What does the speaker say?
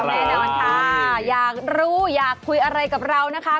ใช่แล้วครับอยากรู้อยากคุยอะไรกับเรานะคะ